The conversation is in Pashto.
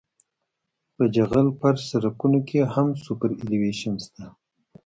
په جغل فرش سرکونو کې هم سوپرایلیویشن شته